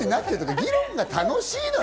議論が楽しいのよ。